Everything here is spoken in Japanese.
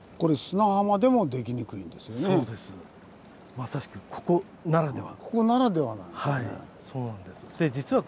まさしくここならでは。